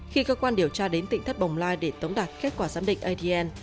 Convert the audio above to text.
khi cơ quan điều tra đến tỉnh thất bồng lai để tống đạt kết quả giám định adn